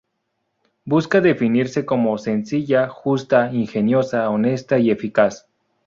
Busca definirse como "sencilla, justa, ingeniosa, honesta y eficaz".